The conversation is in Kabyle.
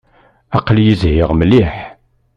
Aql-iyi zhiɣ mliḥ.